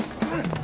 はい。